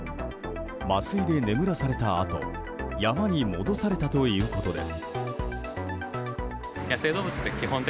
麻酔で眠らされたあと山に戻されたということです。